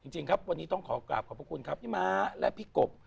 จริงครับวันนี้ต้องขอกราบขอบพระคุณครับพี่ม้าและพี่กบ